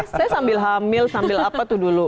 saya sambil hamil sambil apa tuh dulu